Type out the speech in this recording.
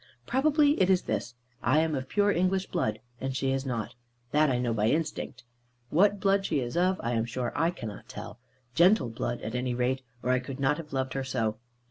Probably it is this: I am of pure English blood, and she is not. That I know by instinct. What blood she is of, I am sure I cannot tell. Gentle blood at any rate, or I could not have loved her so.